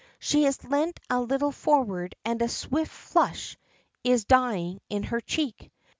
She has leant a little forward and a swift flush is dyeing her cheek.